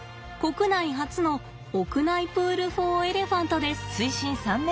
国内初の屋内プールフォーエレファントです。